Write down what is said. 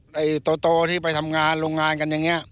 ไอ้โตที่ไปทำงานโรงงานกันอย่างนี้